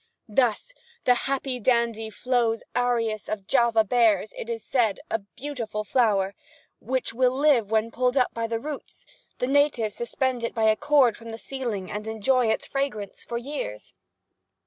Thus the happy dandy Flos Aeris of Java bears, it is said, a beautiful flower, which will live when pulled up by the roots. The natives suspend it by a cord from the ceiling and enjoy its fragrance for years.